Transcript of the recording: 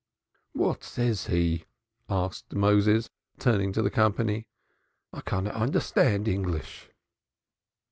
"What says he?" asked Moses, turning to the company. "I cannot understand English."